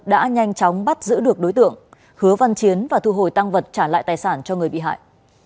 đã nhanh chóng bắt giữ được đối tượng hứa văn chiến và thu hồi tăng vật trả lại tài sản cho người bị hại